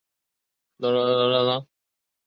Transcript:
匙叶齿缘草为紫草科齿缘草属的植物。